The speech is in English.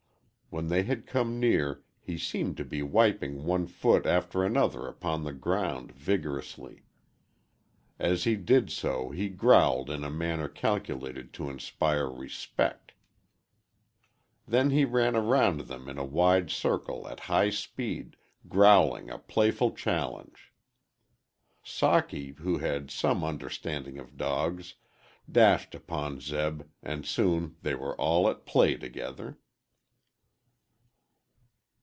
When they had come near he seemed to be wiping one foot after another upon the ground vigorously. As he did so he growled in a manner calculated to inspire respect. Then he ran around them in a wide circle at high speed, growling a playful challenge. Socky, who had some understanding of dogs, dashed upon Zeb, and soon they were all at play together.